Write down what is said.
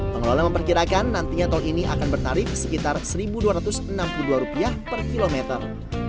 pengelola memperkirakan nantinya tol ini akan bertarif sekitar seribu dua ratus enam puluh dua rupiah per kilometer